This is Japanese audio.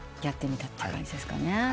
やってみたって感じですかね。